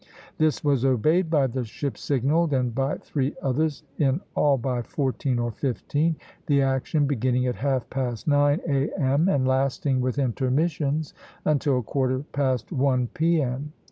This was obeyed by the ships signalled and by three others, in all by fourteen or fifteen, the action beginning at half past nine A.M., and lasting with intermissions until quarter past one P.M.